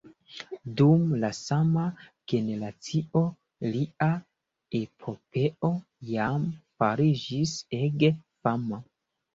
Dum la sama generacio lia epopeo jam fariĝis ege fama.